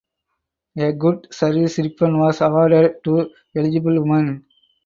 A Good Service Ribbon was awarded to eligible women.